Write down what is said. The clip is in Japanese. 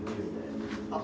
あっ。